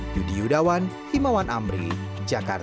yang boleh jadi saat ini tersisihkan